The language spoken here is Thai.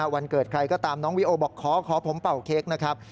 วันเกิดใครก็ตามน้องวิโอบอกขอผมเป่าเค้กนะครับ